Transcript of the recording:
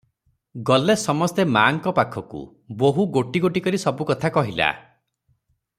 ଗଲେ ସମସ୍ତେ ମା'ଙ୍କ ପଖକୁ; ବୋହୂ ଗୋଟି ଗୋଟି କରି ସବୁ କଥା କହିଲା ।